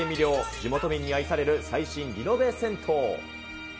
地元民に愛される最新リノベ銭湯。